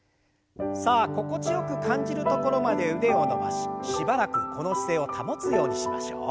さあ心地よく感じるところまで腕を伸ばししばらくこの姿勢を保つようにしましょう。